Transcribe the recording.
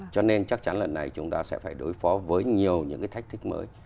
cho nên chắc chắn lần này chúng ta sẽ phải đối phó với nhiều những cái thách thức mới